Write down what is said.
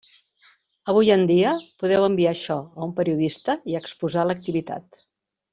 Avui en dia podeu enviar això a un periodista i exposar l'activitat.